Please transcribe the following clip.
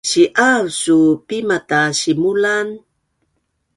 si’aav suu Pima ta simulan